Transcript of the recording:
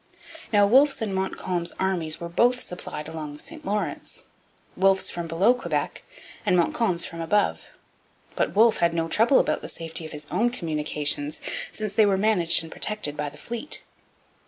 Now, Wolfe's and Montcalm's armies were both supplied along the St Lawrence, Wolfe's from below Quebec and Montcalm's from above. But Wolfe had no trouble about the safety of his own 'communications,' since they were managed and protected by the fleet.